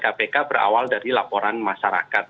kpk berawal dari laporan masyarakat